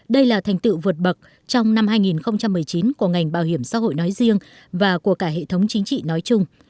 đây là thành tựu vượt bậc trong năm hai nghìn một mươi chín của ngành bảo hiểm xã hội nói riêng và của cả hệ thống chính trị nói chung